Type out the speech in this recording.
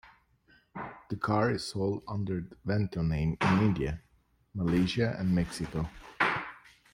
The car is sold under the Vento name in India, Malaysia and Mexico.